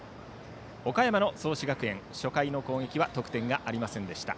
岡山の創志学園初回の攻撃は得点がありませんでした。